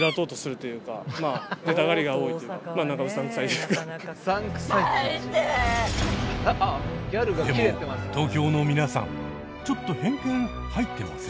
でも東京の皆さんちょっと偏見入ってません？